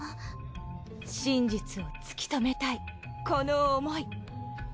真実を突き止めたいこの想い。